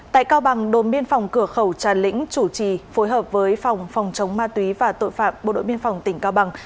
tại cao bằng đồn biên phòng cửa khẩu trà lĩnh chủ trì phối hợp với phòng phòng chống ma túy và tội phạm bộ đội biên phòng tỉnh cao bằng